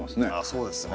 そうですね。